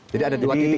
jadi ada dua titik